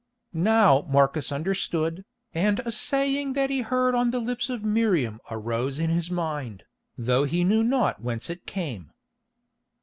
Now Marcus understood, and a saying that he heard on the lips of Miriam arose in his mind, though he knew not whence it came.